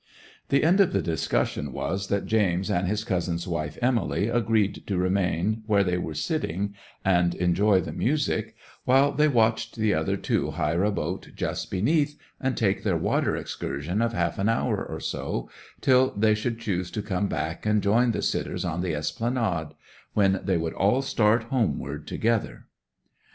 The end of the discussion was that James and his cousin's wife Emily agreed to remain where they were sitting and enjoy the music, while they watched the other two hire a boat just beneath, and take their water excursion of half an hour or so, till they should choose to come back and join the sitters on the Esplanade; when they would all start homeward together.